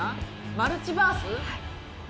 マルチバース？